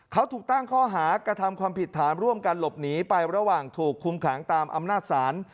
เขาถูกตั้งข้อหากระทำความผิดฐานร่วมกันหลบหนีไประหว่างถูกคุมขังตามอำนาจศาล